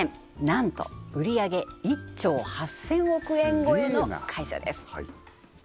なんと売り上げ１兆８０００億円超えの会社です